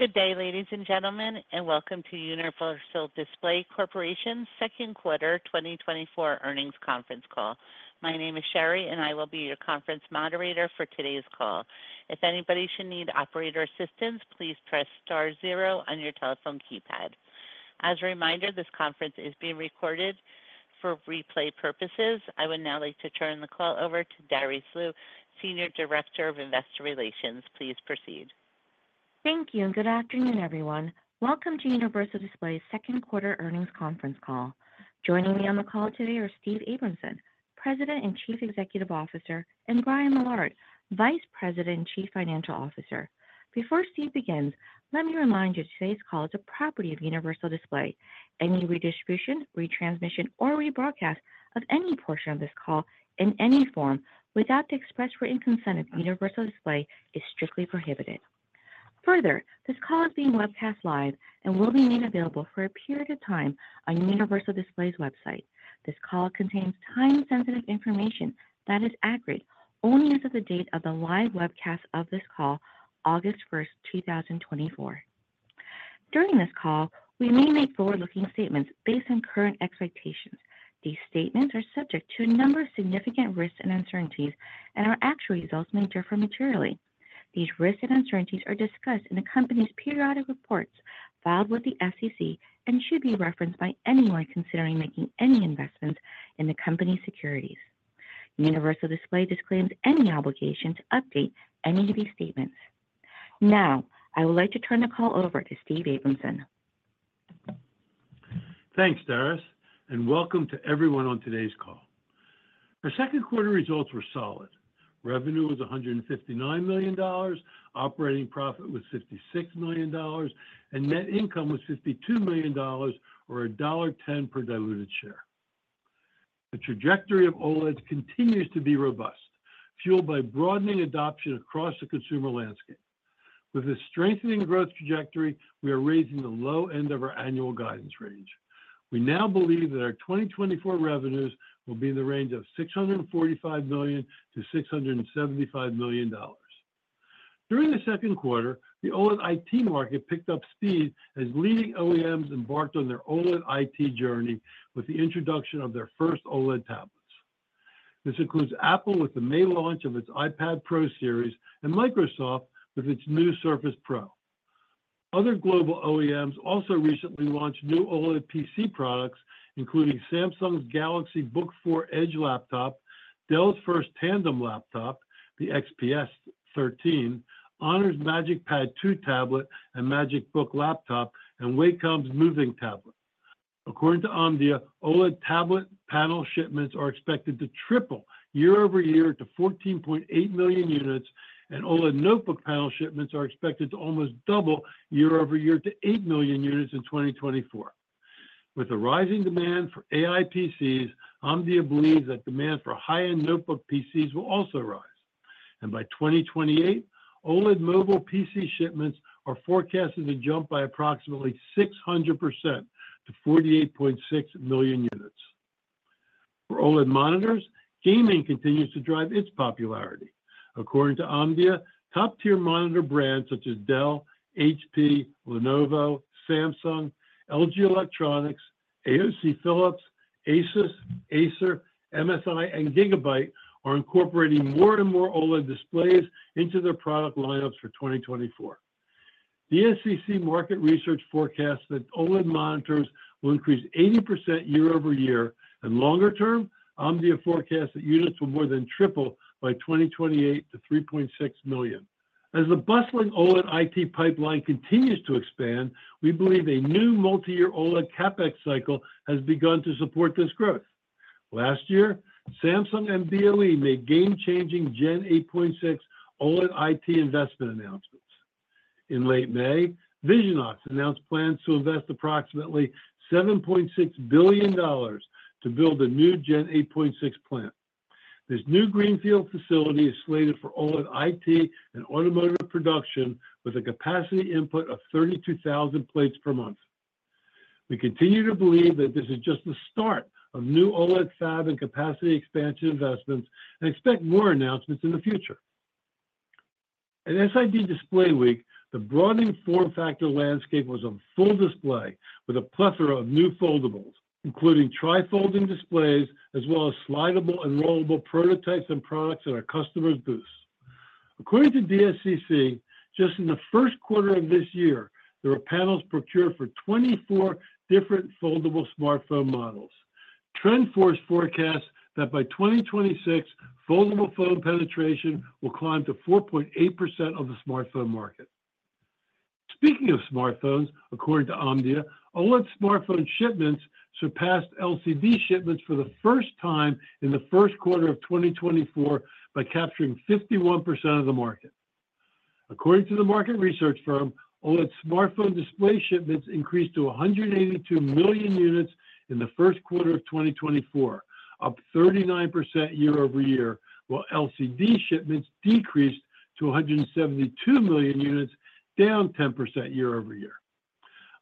Good day, ladies and gentlemen, and welcome to Universal Display Corporation's second quarter 2024 earnings conference call. My name is Sherry, and I will be your conference moderator for today's call. If anybody should need operator assistance, please press star zero on your telephone keypad. As a reminder, this conference is being recorded for replay purposes. I would now like to turn the call over to Darice Liu, Senior Director of Investor Relations. Please proceed. Thank you, and good afternoon, everyone. Welcome to Universal Display's second quarter earnings conference call. Joining me on the call today are Steve Abramson, President and Chief Executive Officer, and Brian Millard, Vice President and Chief Financial Officer. Before Steve begins, let me remind you that today's call is a property of Universal Display. Any redistribution, retransmission, or rebroadcast of any portion of this call in any form without the express written consent of Universal Display is strictly prohibited. Further, this call is being webcast live and will be made available for a period of time on Universal Display's website. This call contains time-sensitive information that is accurate only as of the date of the live webcast of this call, August 1st, 2024. During this call, we may make forward-looking statements based on current expectations. These statements are subject to a number of significant risks and uncertainties, and our actual results may differ materially. These risks and uncertainties are discussed in the company's periodic reports filed with the SEC and should be referenced by anyone considering making any investments in the company's securities. Universal Display disclaims any obligation to update any of these statements. Now, I would like to turn the call over to Steve Abramson. Thanks, Darice, and welcome to everyone on today's call. Our second quarter results were solid. Revenue was $159 million, operating profit was $56 million, and net income was $52 million, or $1.10 per diluted share. The trajectory of OLED continues to be robust, fueled by broadening adoption across the consumer landscape. With a strengthening growth trajectory, we are raising the low end of our annual guidance range. We now believe that our 2024 revenues will be in the range of $645 million-$675 million. During the second quarter, the OLED IT market picked up speed as leading OEMs embarked on their OLED IT journey with the introduction of their first OLED tablets. This includes Apple with the May launch of its iPad Pro series and Microsoft with its new Surface Pro. Other global OEMs also recently launched new OLED PC products, including Samsung's Galaxy Book4 Edge laptop, Dell's first tandem laptop, the XPS 13, HONOR's MagicPad2 tablet and MagicBook laptop, and Wacom's Movink tablet. According to Omdia, OLED tablet panel shipments are expected to triple year-over-year to 14.8 million units, and OLED notebook panel shipments are expected to almost double year-over-year to 8 million units in 2024. With the rising demand for AI PCs, Omdia believes that demand for high-end notebook PCs will also rise, and by 2028, OLED mobile PC shipments are forecasted to jump by approximately 600% to 48.6 million units. For OLED monitors, gaming continues to drive its popularity. According to Omdia, top-tier monitor brands such as Dell, HP, Lenovo, Samsung, LG Electronics, AOC, Philips, ASUS, Acer, MSI, and Gigabyte are incorporating more and more OLED displays into their product lineups for 2024. The DSCC market research forecasts that OLED monitors will increase 80% year-over-year, and longer term, Omdia forecasts that units will more than triple by 2028 to 3.6 million. As the bustling OLED IT pipeline continues to expand, we believe a new multi-year OLED CapEx cycle has begun to support this growth. Last year, Samsung and BOE made game-changing Gen 8.6 OLED IT investment announcements. In late May, Visionox announced plans to invest approximately $7.6 billion to build a new Gen 8.6 plant. This new greenfield facility is slated for OLED IT and automotive production, with a capacity input of 32,000 plates per month. We continue to believe that this is just the start of new OLED fab and capacity expansion investments and expect more announcements in the future. At SID Display Week, the broadening form factor landscape was on full display with a plethora of new foldables, including tri-folding displays, as well as slidable and rollable prototypes and products at our customers' booths. According to DSCC, just in the first quarter of this year, there were panels procured for 24 different foldable smartphone models. TrendForce forecasts that by 2026, foldable phone penetration will climb to 4.8% of the smartphone market. Speaking of smartphones, according to Omdia, OLED smartphone shipments surpassed LCD shipments for the first time in the first quarter of 2024 by capturing 51% of the market. According to the market research firm, OLED smartphone display shipments increased to 182 million units in the first quarter of 2024, up 39% year-over-year, while LCD shipments decreased to 172 million units, down 10% year-over-year.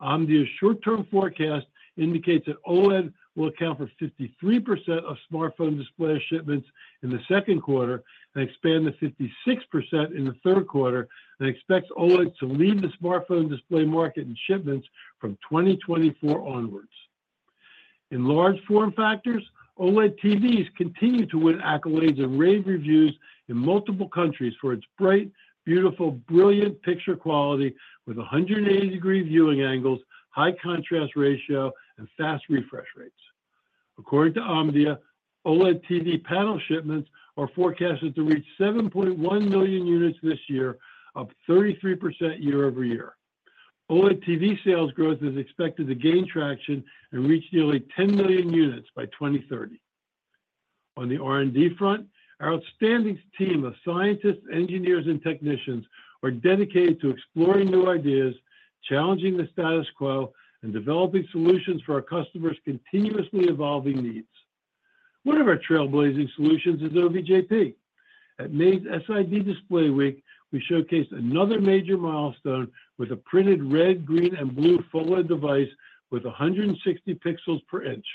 Omdia's short-term forecast indicates that OLED will account for 53% of smartphone display shipments in the second quarter, and expand to 56% in the third quarter, and expects OLED to lead the smartphone display market in shipments from 2024 onwards. In large form factors, OLED TVs continue to win accolades and rave reviews in multiple countries for its bright, beautiful, brilliant picture quality with 180-degree viewing angles, high contrast ratio, and fast refresh rates. According to Omdia, OLED TV panel shipments are forecasted to reach 7.1 million units this year, up 33% year-over-year. OLED TV sales growth is expected to gain traction and reach nearly 10 million units by 2030. On the R&D front, our outstanding team of scientists, engineers, and technicians are dedicated to exploring new ideas, challenging the status quo, and developing solutions for our customers' continuously evolving needs. One of our trailblazing solutions is OVJP. At SID Display Week, we showcased another major milestone with a printed red, green, and blue full-width device with 160 pixels per inch,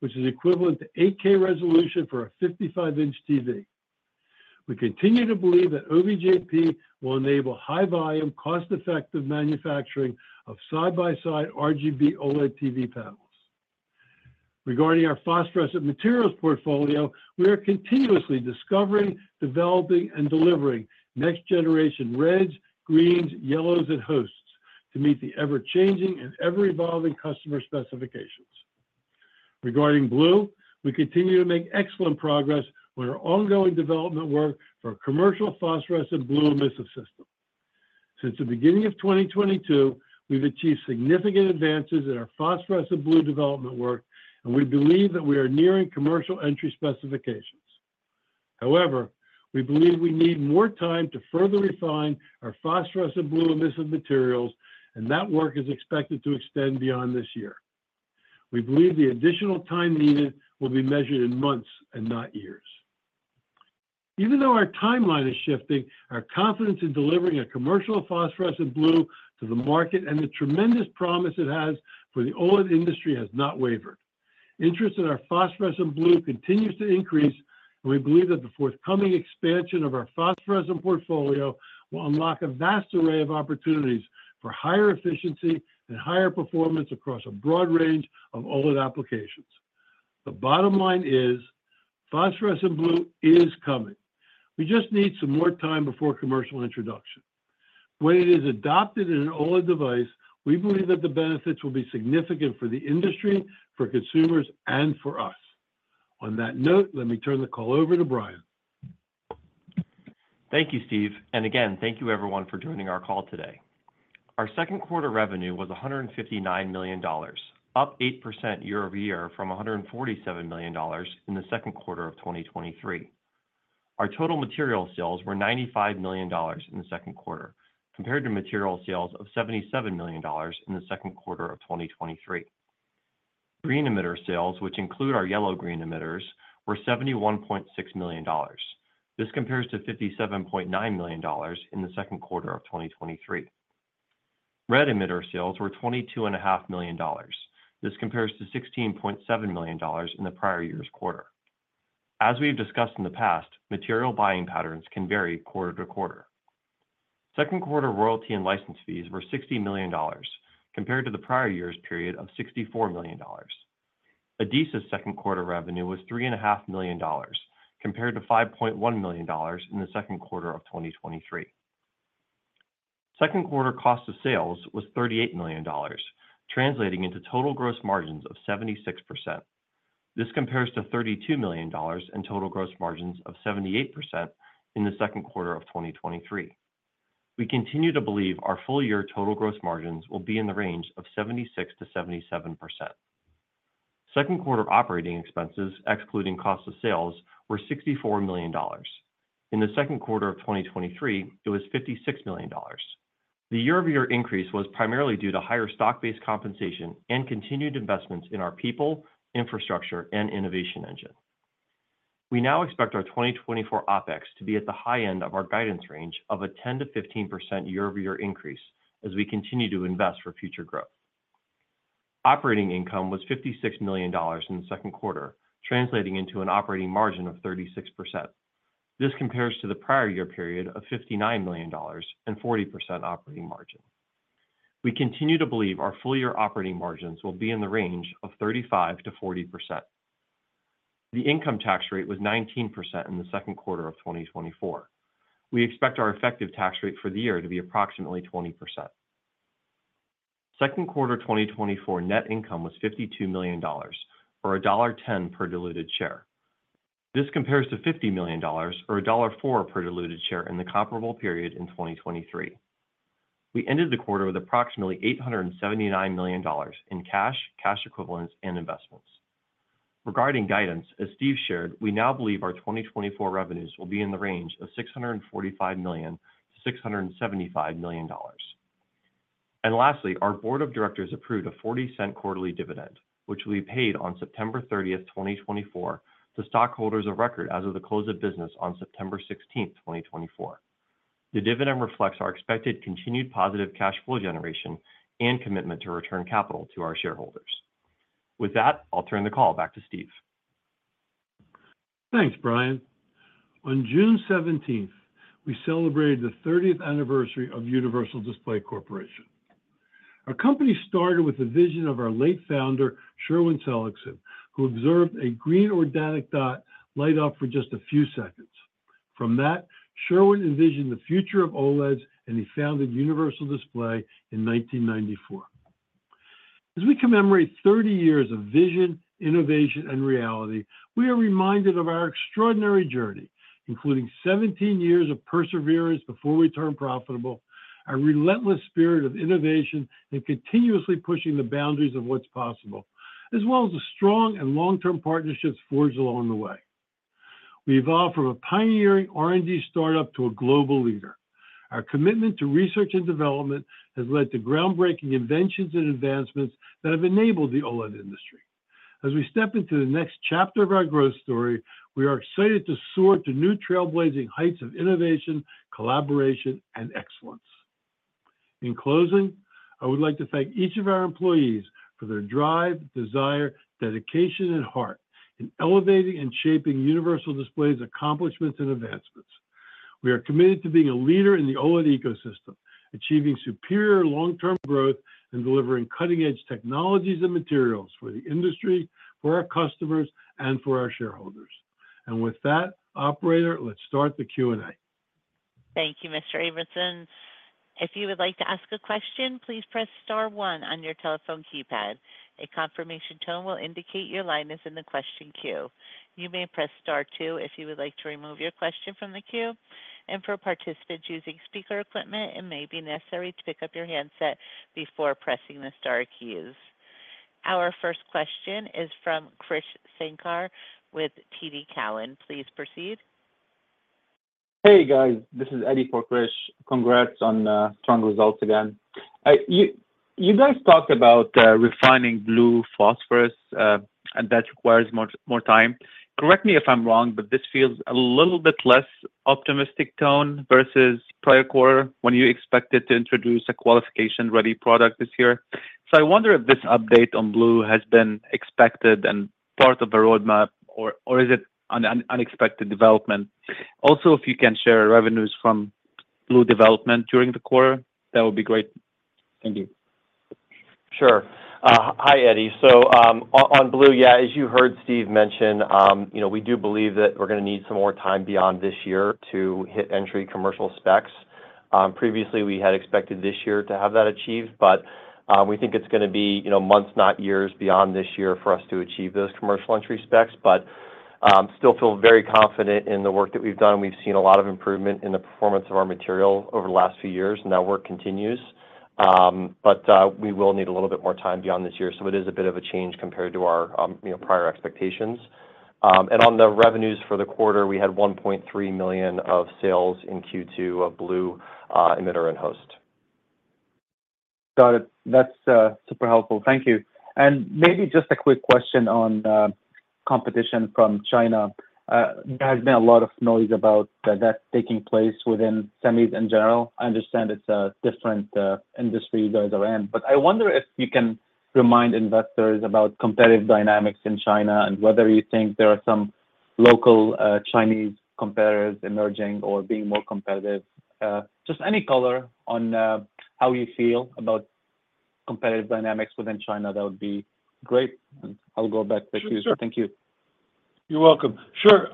which is equivalent to 8K resolution for a 55-inch TV. We continue to believe that OVJP will enable high volume, cost-effective manufacturing of side-by-side RGB OLED TV panels. Regarding our phosphorescent materials portfolio, we are continuously discovering, developing, and delivering next generation reds, greens, yellows, and hosts to meet the ever-changing and ever-evolving customer specifications. Regarding blue, we continue to make excellent progress on our ongoing development work for commercial phosphorescent blue emissive system. Since the beginning of 2022, we've achieved significant advances in our phosphorescent blue development work, and we believe that we are nearing commercial entry specifications. However, we believe we need more time to further refine our phosphorescent blue emissive materials, and that work is expected to extend beyond this year. We believe the additional time needed will be measured in months and not years. Even though our timeline is shifting, our confidence in delivering a commercial phosphorescent blue to the market and the tremendous promise it has for the OLED industry has not wavered. Interest in our phosphorescent blue continues to increase, and we believe that the forthcoming expansion of our phosphorescent portfolio will unlock a vast array of opportunities for higher efficiency and higher performance across a broad range of OLED applications. The bottom line is, phosphorescent blue is coming. We just need some more time before commercial introduction. When it is adopted in an OLED device, we believe that the benefits will be significant for the industry, for consumers, and for us. On that note, let me turn the call over to Brian. Thank you, Steve. Again, thank you everyone for joining our call today. Our second quarter revenue was $159 million, up 8% year-over-year from $147 million in the second quarter of 2023. Our total material sales were $95 million in the second quarter, compared to material sales of $77 million in the second quarter of 2023. Green emitter sales, which include our yellow-green emitters, were $71.6 million. This compares to $57.9 million in the second quarter of 2023. Red emitter sales were $22.5 million. This compares to $16.7 million in the prior year's quarter. As we've discussed in the past, material buying patterns can vary quarter to quarter. Second quarter royalty and license fees were $60 million, compared to the prior year's period of $64 million. Adesis' second quarter revenue was $3.5 million, compared to $5.1 million in the second quarter of 2023. Second quarter cost of sales was $38 million, translating into total gross margins of 76%. This compares to $32 million in total gross margins of 78% in the second quarter of 2023. We continue to believe our full year total gross margins will be in the range of 76%-77%. Second quarter operating expenses, excluding cost of sales, were $64 million. In the second quarter of 2023, it was $56 million. The year-over-year increase was primarily due to higher stock-based compensation and continued investments in our people, infrastructure, and innovation engine. We now expect our 2024 OpEx to be at the high end of our guidance range of a 10%-15% year-over-year increase as we continue to invest for future growth. Operating income was $56 million in the second quarter, translating into an operating margin of 36%. This compares to the prior year period of $59 million and 40% operating margin. We continue to believe our full year operating margins will be in the range of 35%-40%. The income tax rate was 19% in the second quarter of 2024. We expect our effective tax rate for the year to be approximately 20%. Second quarter 2024 net income was $52 million or $1.10 per diluted share. This compares to $50 million or $1.04 per diluted share in the comparable period in 2023. We ended the quarter with approximately $879 million in cash, cash equivalents, and investments. Regarding guidance, as Steve shared, we now believe our 2024 revenues will be in the range of $645 million-$675 million. And lastly, our board of directors approved a $0.40 quarterly dividend, which will be paid on September 30th, 2024 to stockholders of record as of the close of business on September 16, 2024. The dividend reflects our expected continued positive cash flow generation and commitment to return capital to our shareholders. With that, I'll turn the call back to Steve. Thanks, Brian. On June 17th, we celebrated the 30th anniversary of Universal Display Corporation. Our company started with the vision of our late founder, Sherwin Seligsohn, who observed a green organic dot light up for just a few seconds. From that, Sherwin envisioned the future of OLEDs, and he founded Universal Display in 1994. As we commemorate 30 years of vision, innovation, and reality, we are reminded of our extraordinary journey, including 17 years of perseverance before we turned profitable, our relentless spirit of innovation, and continuously pushing the boundaries of what's possible, as well as the strong and long-term partnerships forged along the way. We evolved from a pioneering R&D startup to a global leader. Our commitment to research and development has led to groundbreaking inventions and advancements that have enabled the OLED industry. As we step into the next chapter of our growth story, we are excited to soar to new trailblazing heights of innovation, collaboration, and excellence. In closing, I would like to thank each of our employees for their drive, desire, dedication, and heart in elevating and shaping Universal Display's accomplishments and advancements. We are committed to being a leader in the OLED ecosystem, achieving superior long-term growth, and delivering cutting-edge technologies and materials for the industry, for our customers, and for our shareholders. And with that, operator, let's start the Q&A. Thank you, Mr. Abramson. If you would like to ask a question, please press star one on your telephone keypad. A confirmation tone will indicate your line is in the question queue. You may press star two if you would like to remove your question from the queue. For participants using speaker equipment, it may be necessary to pick up your handset before pressing the star keys. Our first question is from Krish Sankar with TD Cowen. Please proceed. Hey, guys. This is Eddie for Krish. Congrats on strong results again. You guys talked about refining blue phosphorescent and that requires much more time. Correct me if I'm wrong, but this feels a little bit less optimistic tone versus prior quarter, when you expected to introduce a qualification-ready product this year. So I wonder if this update on blue has been expected and part of the roadmap, or is it an unexpected development? Also, if you can share revenues from blue development during the quarter, that would be great. Thank you. Sure. Hi, Eddie. So, on blue, yeah, as you heard Steve mention, you know, we do believe that we're gonna need some more time beyond this year to hit entry commercial specs. Previously, we had expected this year to have that achieved, but, we think it's gonna be, you know, months, not years, beyond this year for us to achieve those commercial entry specs. But, still feel very confident in the work that we've done. We've seen a lot of improvement in the performance of our material over the last few years, and that work continues. But, we will need a little bit more time beyond this year, so it is a bit of a change compared to our, you know, prior expectations. On the revenues for the quarter, we had $1.3 million of sales in Q2 of blue emitter and host. Got it. That's super helpful. Thank you. And maybe just a quick question on competition from China. There has been a lot of noise about that, that taking place within semis in general. I understand it's a different industry you guys are in, but I wonder if you can remind investors about competitive dynamics in China and whether you think there are some local Chinese competitors emerging or being more competitive. Just any color on how you feel about competitive dynamics within China, that would be great. And I'll go back to Krish. Sure. Thank you. You're welcome. Sure.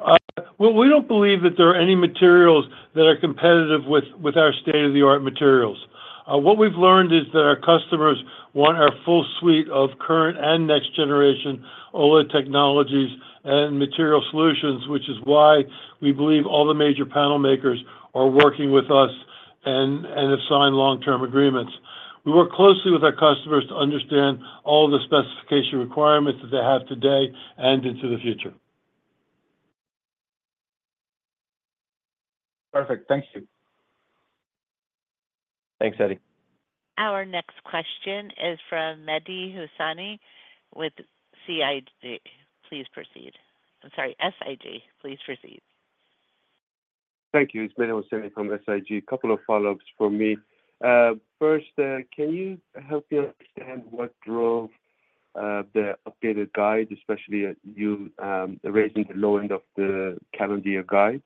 Well, we don't believe that there are any materials that are competitive with our state-of-the-art materials. What we've learned is that our customers want our full suite of current and next-generation OLED technologies and material solutions, which is why we believe all the major panel makers are working with us and have signed long-term agreements. We work closely with our customers to understand all the specification requirements that they have today and into the future. Perfect. Thank you. Thanks, Eddie. Our next question is from Mehdi Hosseini with CID. Please proceed. I'm sorry, SIG. Please proceed. Thank you. It's Mehdi Hosseini from SIG. A couple of follow-ups from me. First, can you help me understand what drove the updated guide, especially as you raising the low end of the calendar year guide?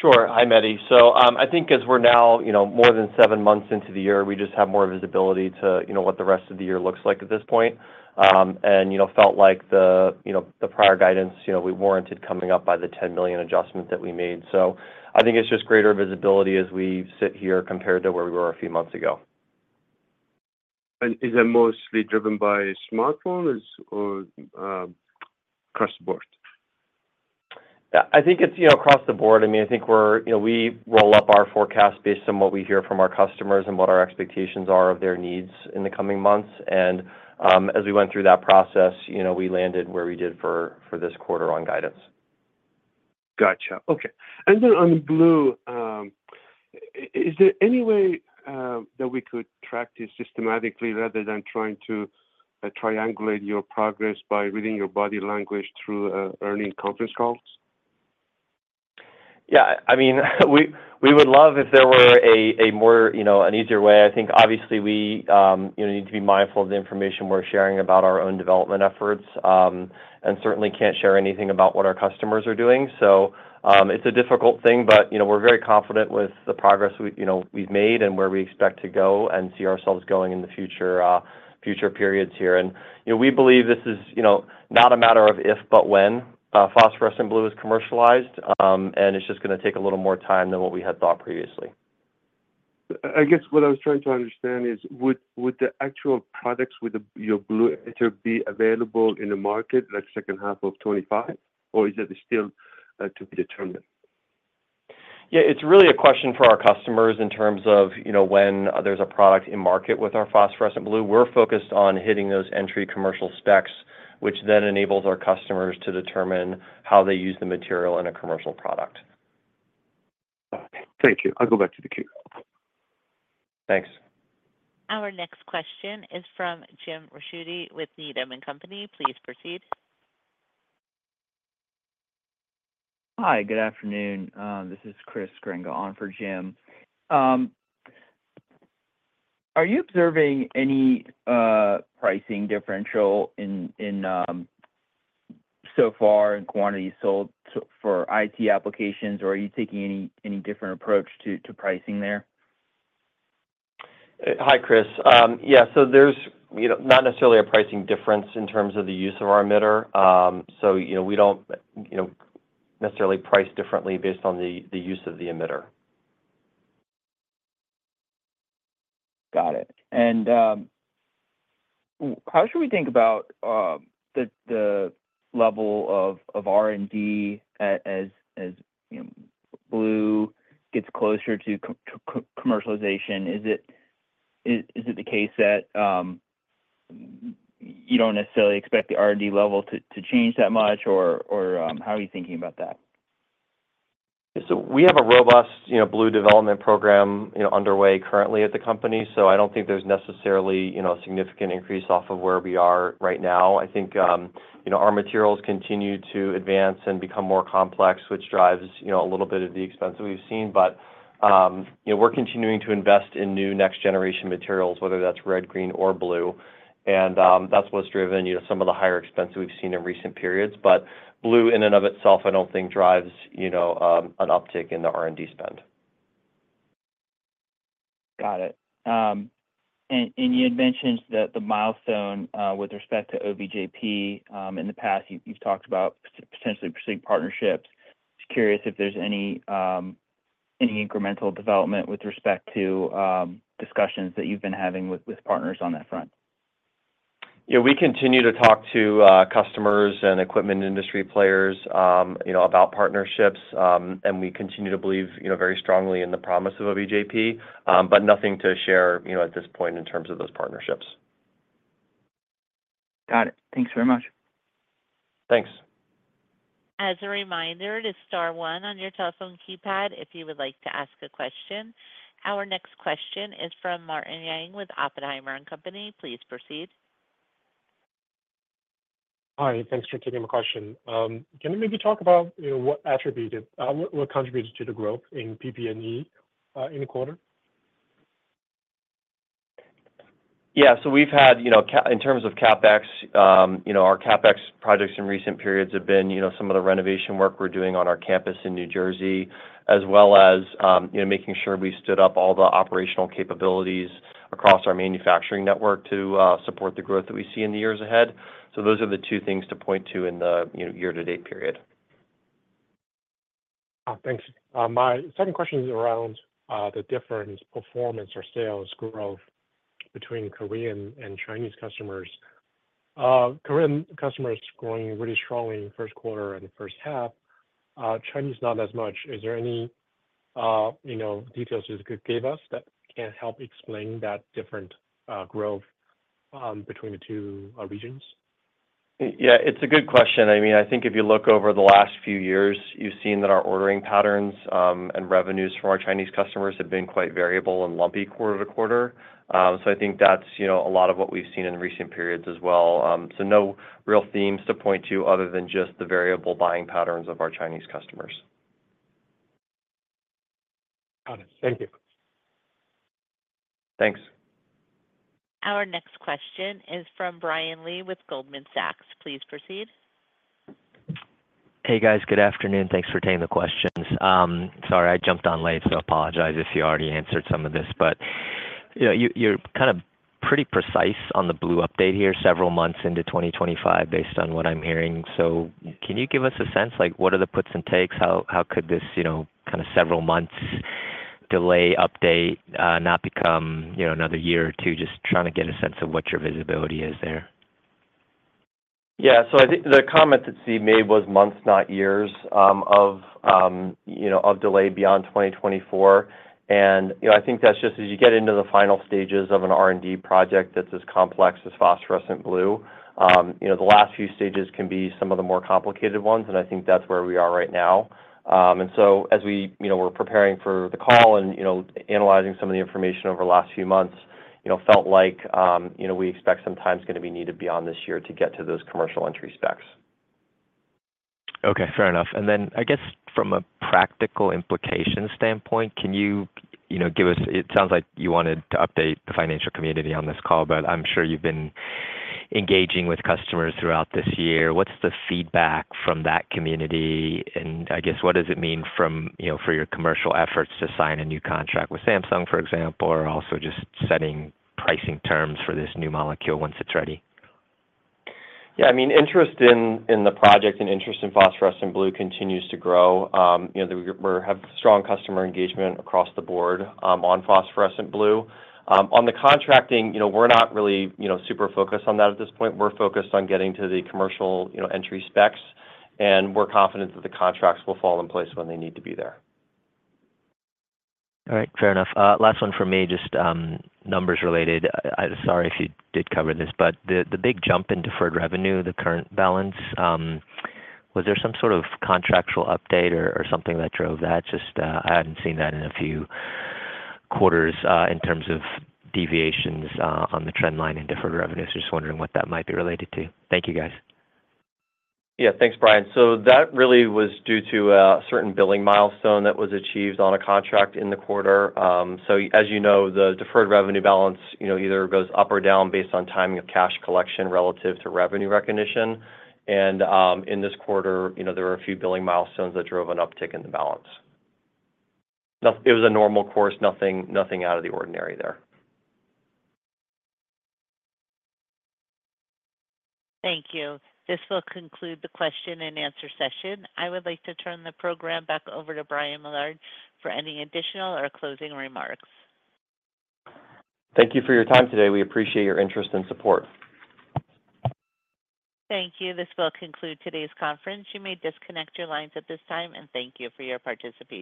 Sure. Hi, Mehdi. So, I think as we're now, you know, more than seven months into the year, we just have more visibility to, you know, what the rest of the year looks like at this point. And, you know, felt like the, you know, the prior guidance, you know, we warranted coming up by the $10 million adjustment that we made. So I think it's just greater visibility as we sit here compared to where we were a few months ago. Is it mostly driven by smartphone or across the board? Yeah, I think it's, you know, across the board. I mean, I think we roll up our forecast based on what we hear from our customers and what our expectations are of their needs in the coming months. And, as we went through that process, you know, we landed where we did for, for this quarter on guidance. Gotcha. Okay. And then on the blue, is there any way that we could track this systematically rather than trying to triangulate your progress by reading your body language through earnings conference calls? Yeah, I mean, we would love if there were a more, you know, an easier way. I think obviously we, you know, need to be mindful of the information we're sharing about our own development efforts. And certainly can't share anything about what our customers are doing. So, it's a difficult thing, but, you know, we're very confident with the progress we, you know, we've made and where we expect to go and see ourselves going in the future, future periods here. And, you know, we believe this is, you know, not a matter of if, but when, phosphorescent blue is commercialized, and it's just gonna take a little more time than what we had thought previously. I guess what I was trying to understand is, would the actual products with the, your blue emitter be available in the market in the second half of 2025, or is it still to be determined? Yeah, it's really a question for our customers in terms of, you know, when there's a product in market with our phosphorescent blue. We're focused on hitting those entry commercial specs, which then enables our customers to determine how they use the material in a commercial product. Okay. Thank you. I'll go back to the queue. Thanks. Our next question is from Jim Ricchiuti with Needham & Company. Please proceed. Hi, good afternoon. This is Chris Grenga on for Jim. Are you observing any pricing differential in so far in quantity sold so for IT applications, or are you taking any different approach to pricing there? Hi, Chris. Yeah, so there's, you know, not necessarily a pricing difference in terms of the use of our emitter. So, you know, we don't, you know, necessarily price differently based on the, the use of the emitter. Got it. And how should we think about the level of R&D as you know, blue gets closer to commercialization? Is it the case that you don't necessarily expect the R&D level to change that much? Or how are you thinking about that? So we have a robust, you know, blue development program, you know, underway currently at the company. So I don't think there's necessarily, you know, a significant increase off of where we are right now. I think, you know, our materials continue to advance and become more complex, which drives, you know, a little bit of the expense that we've seen. But, you know, we're continuing to invest in new next-generation materials, whether that's red, green, or blue, and, that's what's driven, you know, some of the higher expenses we've seen in recent periods. But blue in and of itself, I don't think drives, you know, an uptick in the R&D spend. Got it. And you had mentioned that the milestone with respect to OVJP, in the past, you've talked about potentially pursuing partnerships. Just curious if there's any incremental development with respect to discussions that you've been having with partners on that front? Yeah. We continue to talk to customers and equipment industry players, you know, about partnerships. And we continue to believe, you know, very strongly in the promise of OVJP, but nothing to share, you know, at this point in terms of those partnerships. Got it. Thanks very much. Thanks. As a reminder, it is star one on your telephone keypad if you would like to ask a question. Our next question is from Martin Yang with Oppenheimer & Company. Please proceed. Hi, thanks for taking my question. Can you maybe talk about, you know, what contributed to the growth in PP&E in the quarter? Yeah. So we've had, you know, in terms of CapEx, you know, our CapEx projects in recent periods have been, you know, some of the renovation work we're doing on our campus in New Jersey, as well as, you know, making sure we stood up all the operational capabilities across our manufacturing network to support the growth that we see in the years ahead. So those are the two things to point to in the, you know, year-to-date period. Thanks. My second question is around the different performance or sales growth between Korean and Chinese customers. Korean customers growing really strongly in first quarter and the first half, Chinese not as much. Is there any, you know, details you could give us that can help explain that different growth between the two regions? Yeah, it's a good question. I mean, I think if you look over the last few years, you've seen that our ordering patterns and revenues from our Chinese customers have been quite variable and lumpy quarter to quarter. So I think that's, you know, a lot of what we've seen in recent periods as well. So no real themes to point to other than just the variable buying patterns of our Chinese customers. Got it. Thank you. Thanks. Our next question is from Brian Lee with Goldman Sachs. Please proceed. Hey, guys. Good afternoon. Thanks for taking the questions. Sorry, I jumped on late, so apologize if you already answered some of this. But, you know, you're kind of pretty precise on the blue update here, several months into 2025, based on what I'm hearing. So can you give us a sense, like, what are the puts and takes? How could this, you know, kind of several months delay update, not become, you know, another year or two? Just trying to get a sense of what your visibility is there. Yeah, so I think the comment that Steve made was months, not years, of, you know, of delay beyond 2024. And, you know, I think that's just as you get into the final stages of an R&D project that's as complex as phosphorescent blue, you know, the last few stages can be some of the more complicated ones, and I think that's where we are right now. And so as we, you know, we're preparing for the call and, you know, analyzing some of the information over the last few months, you know, felt like, you know, we expect some time's gonna be needed beyond this year to get to those commercial entry specs. Okay, fair enough. And then, I guess from a practical implication standpoint, can you, you know, give us, it sounds like you wanted to update the financial community on this call, but I'm sure you've been engaging with customers throughout this year. What's the feedback from that community? And I guess, what does it mean from, you know, for your commercial efforts to sign a new contract with Samsung, for example, or also just setting pricing terms for this new molecule once it's ready? Yeah, I mean, interest in the project and interest in phosphorescent blue continues to grow. You know, we have strong customer engagement across the board on phosphorescent blue. On the contracting, you know, we're not really, you know, super focused on that at this point. We're focused on getting to the commercial, you know, entry specs, and we're confident that the contracts will fall in place when they need to be there. All right, fair enough. Last one for me, just, numbers related. Sorry if you did cover this, but the, the big jump in deferred revenue, the current balance, was there some sort of contractual update or, or something that drove that? Just, I hadn't seen that in a few quarters, in terms of deviations, on the trend line in deferred revenue. So just wondering what that might be related to. Thank you, guys. Yeah, thanks, Brian. So that really was due to a certain billing milestone that was achieved on a contract in the quarter. So as you know, the deferred revenue balance, you know, either goes up or down based on timing of cash collection relative to revenue recognition. And, in this quarter, you know, there were a few billing milestones that drove an uptick in the balance. It was a normal course, nothing, nothing out of the ordinary there. Thank you. This will conclude the question and answer session. I would like to turn the program back over to Brian Millard for any additional or closing remarks. Thank you for your time today. We appreciate your interest and support. Thank you. This will conclude today's conference. You may disconnect your lines at this time, and thank you for your participation.